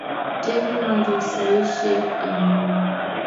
Tegimache saishek eng yuu